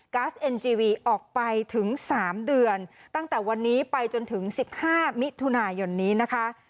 เอ็นจีวีออกไปถึง๓เดือนตั้งแต่วันนี้ไปจนถึง๑๕มิถุนายนนี้นะคะ